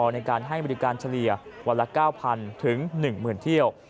ในการให้บริการเฉลี่ยวันละ๙๐๐๑๐๐เที่ยว